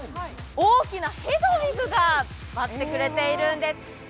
大きなヘドウィグが待ってくれているんですね。